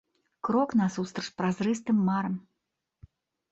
Крок насустрач празрыстым марам.